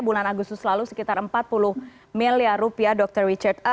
bulan agustus lalu sekitar empat puluh miliar rupiah dr richard